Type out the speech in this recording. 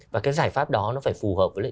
và cái giải pháp đó nó phải phù hợp với lại